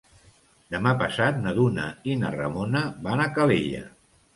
Demà passat na Duna i na Ramona van a Calella.